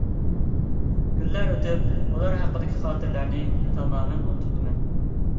كۈنلەر ئۆتۈپ ئۇلار ھەققىدىكى خاتىرىلەرنى تامامەن ئۇنتۇپتىمەن.